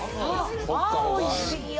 あおいしいよ